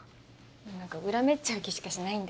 何か裏目っちゃう気しかしないんで。